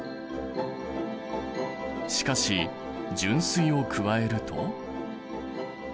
しかし純水を加えると。